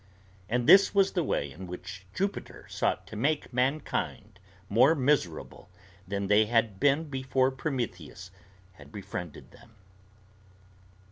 And this was the way in which Jupiter sought to make mankind more miserable than they had been before Prometheus had befriended them.